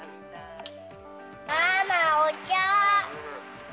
ママ、お茶！